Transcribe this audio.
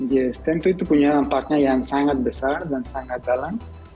yes tentu itu punya nampaknya yang sangat besar dan sangat dalam